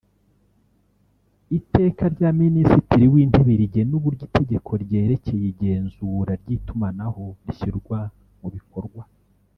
b) Iteka rya Minisitiri w’Intebe rigena uburyo Itegeko ryerekeye igenzura ry’itumanaho rishyirwa mu bikorwa